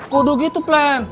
kudu gitu plan